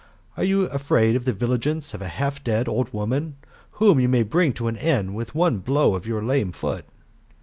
Are you afraid of the vigilance of a half dead old woman, whom you may bring to an end with one blow of your lame foot?